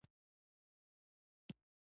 اصفهان ته د نړۍ نیمایي وايي.